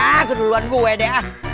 nah keduluan gue deh ah